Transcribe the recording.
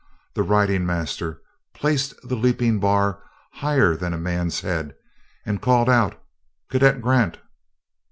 The riding master placed the leaping bar higher than a man's head and called out, 'Cadet Grant!'